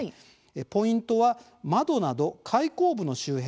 ポイントは窓など開口部の周辺。